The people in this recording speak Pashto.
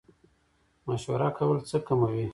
مشوره کول څه کموي؟